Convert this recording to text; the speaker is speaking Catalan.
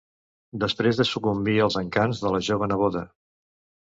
Després de sucumbir als encants de la jove neboda...